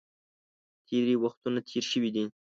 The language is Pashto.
تېرې وختونه تېر شوي دي.